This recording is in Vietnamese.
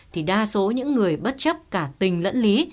thì đa số những người bất chấp cả tình lẫn lý